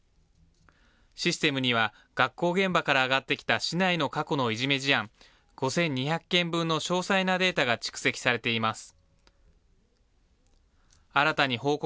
システムには、学校現場から上がってきた市内の過去のいじめ事案、５２００件分の詳細なデータが蓄積されています。